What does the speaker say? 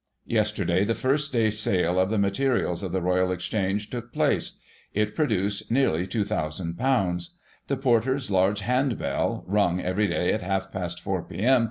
— Yester day, the first day's sale of the materials of the Royal Exchange took place. It produced nearly ;6'2,ooo. The porter's large hand bell (nmg every day at half past four p.m.